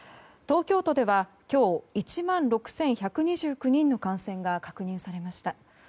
東京都では今日、１万６１２９人の感染が確認されました。